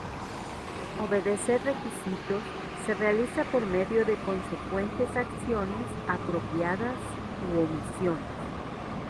Obedecer requisitos se realiza por medio de consecuentes acciones apropiadas u omisiones.